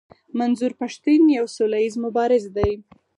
منظور پښتين يو سوله ايز مبارز دی.